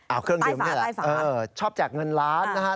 เอาเครื่องดื่มนี่แหละชอบแจกเงินล้านนะฮะ